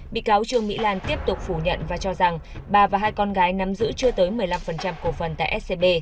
bị cáo trương mỹ lan tiếp tục phủ nhận và cho rằng bà và hai con gái nắm giữ chưa tới một mươi năm cổ phần tại scb